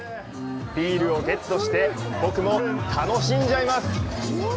ビールをゲットして僕も楽しんじゃいます！